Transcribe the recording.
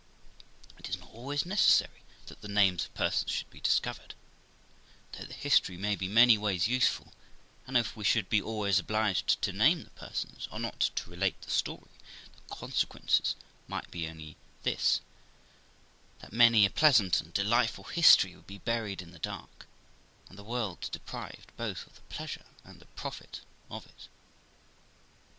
It is not always necessary that the names of persons should be discovered, though the history may be many ways useful; and if we should be always obliged to name the persons, or not to relate the story, the consequence might be only this that many a pleasant and delightful history would be buried in the dark, and the world deprived both of the pleasure and the profit of it.